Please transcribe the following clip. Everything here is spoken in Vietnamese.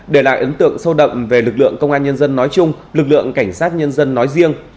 để lại ấn tượng sâu đậm về lực lượng công an nhân dân nói chung lực lượng cảnh sát nhân dân nói riêng